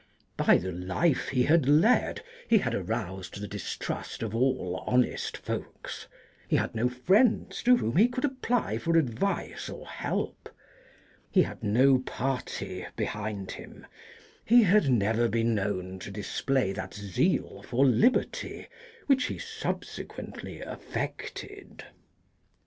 By the life he had led, he had aroused the distrust of all honest folks, he had no friends to whom he could apply for advice or help, he had no party behind him, he had never been known to display that zeal for liberty which he subsequently affected.